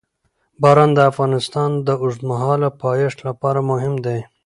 باران د افغانستان د اوږدمهاله پایښت لپاره مهم دی.